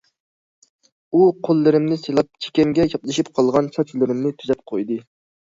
ئۇ قوللىرىمنى سىلاپ، چېكەمگە چاپلىشىپ قالغان چاچلىرىمنى تۈزەپ قويدى.